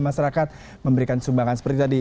masyarakat memberikan sumbangan seperti tadi